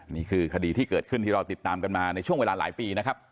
นี่คือคดีที่เกิดขึ้นที่เราติดตามกันมาในช่วงเวลาหลายปีนะครับ